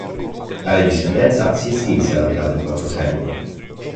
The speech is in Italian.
Tale discendenza si estinse alla metà del Quattrocento.